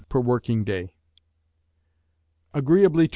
per working day. Agreeably to M.